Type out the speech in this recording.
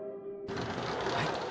はい。